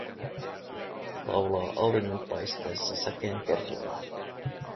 Laulaa auringonpaisteessa säkeen kerrallaan.